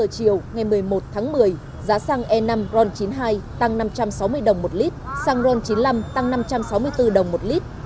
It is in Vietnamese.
chiều một mươi một tháng một mươi giá xăng e năm ron chín mươi hai tăng năm trăm sáu mươi đồng một lít xăng ron chín mươi năm tăng năm trăm sáu mươi bốn đồng một lít